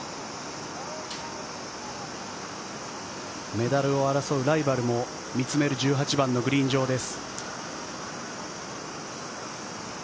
メダルを争うライバルも見つめる１８番のグリーン上です。